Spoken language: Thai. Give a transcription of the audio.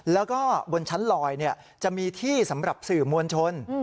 แล้วก็บนชั้นลอยจะมีที่สำหรับสื่อมวลชน